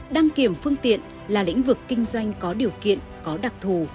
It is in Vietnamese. đăng kiểm phương tiện là lĩnh vực kinh doanh có điều kiện có đặc thù